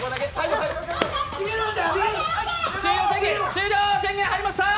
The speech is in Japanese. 終了宣言入りました！